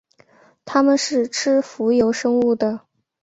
它们是吃浮游生物的。